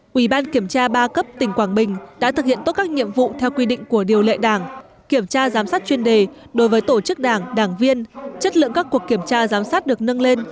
quỹ ban kiểm tra ba cấp tỉnh quảng bình đã thực hiện tốt các nhiệm vụ theo quy định của điều lệ đảng kiểm tra giám sát chuyên đề đối với tổ chức đảng đảng viên chất lượng các cuộc kiểm tra giám sát được nâng lên